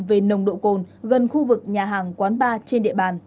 về nồng độ cồn gần khu vực nhà hàng quán bar trên địa bàn